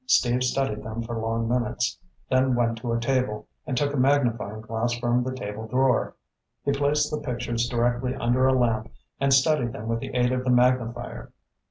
Steve studied them for long minutes, then went to a table and took a magnifying glass from the table drawer. He placed the pictures directly under a lamp and studied them with the aid of the magnifier.